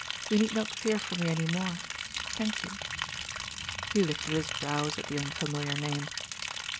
You need not fear for me any more Thank you." He lifted his brows at the unfamiliar name.